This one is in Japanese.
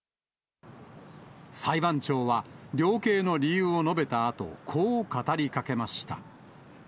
裁判長は、量刑の理由を述べたあと、こう語りかけました。